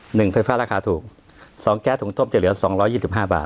หนึ่งไฟฟ้าราคาถูกสองแก๊สถุงต้มจะเหลือสองร้อยยี่สิบห้าบาท